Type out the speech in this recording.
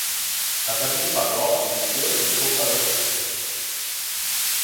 Ha partecipato a otto edizioni di Coppa Ronchetti.